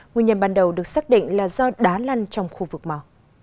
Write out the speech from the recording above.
nguyên nhân ban đầu được xác định là do đá lăn trong khu vực mỏ